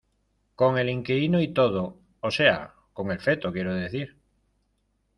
con el inquilino y todo, o sea , con el feto quiero decir.